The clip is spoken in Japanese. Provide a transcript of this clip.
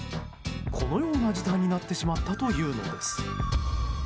このような事態になってしまったというのです。